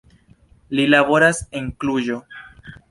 Li laboras en Kluĵo.